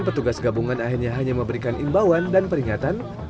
petugas gabungan akhirnya hanya memberikan imbauan dan peringatan